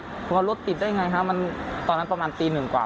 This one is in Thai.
เพราะว่ารถติดได้ไงฮะมันตอนนั้นประมาณตีหนึ่งกว่า